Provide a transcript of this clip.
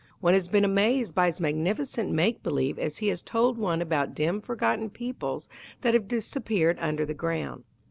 One has been amazed by his magnificent make believe as he has told one about dim forgotten peoples that have disappeared under the ground.